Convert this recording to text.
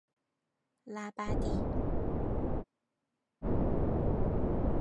拉巴蒂。